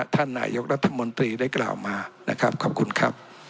ท่านนายกรัฐมนตรีได้กล่าวมานะครับขอบคุณครับ